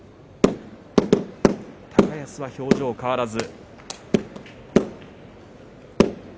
高安は表情変わらず。